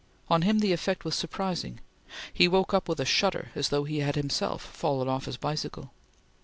On him, the effect was surprising. He woke up with a shudder as though he had himself fallen off his bicycle.